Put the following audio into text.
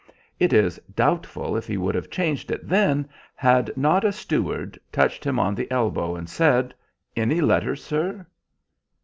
It is doubtful if he would have changed it then, had not a steward touched him on the elbow, and said— "Any letters, sir?"